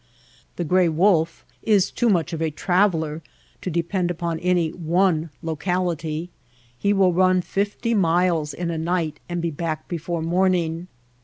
The gray wolf is too much of a traveler to depend upon any one locality. He will run fifty miles in a night and be back before morning.